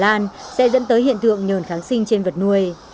kháng sinh tràn lan sẽ dẫn tới hiện tượng nhờn kháng sinh trên vật nuôi